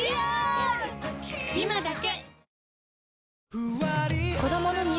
今だけ！